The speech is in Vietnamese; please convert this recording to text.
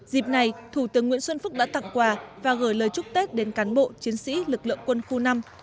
dịp này thủ tướng nguyễn xuân phúc đã tặng quà và gửi lời chúc tết đến cán bộ chiến sĩ lực lượng quân khu năm